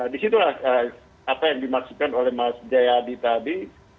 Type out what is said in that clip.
di situ apa yang dimaksikan oleh mas jayadi tadi